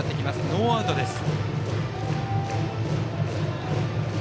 ノーアウトです。